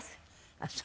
ああそう。